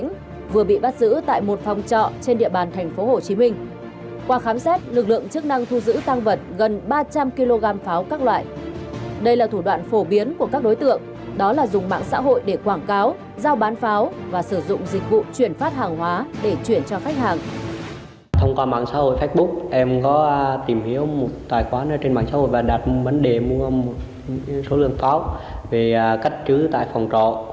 giao bán pháo và sử dụng dịch vụ chuyển phát hàng hóa để chuyển cho khách hàng